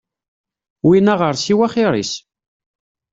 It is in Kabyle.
Win aɣersiw axir-is.